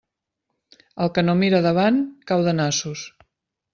El que no mira davant, cau de nassos.